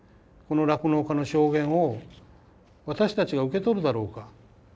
この酪農家の証言を私たちが受け取るだろうか。